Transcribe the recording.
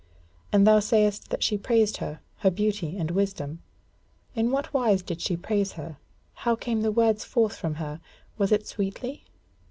And thou sayest that she praised her, her beauty and wisdom. In what wise did she praise her? how came the words forth from her? was it sweetly?"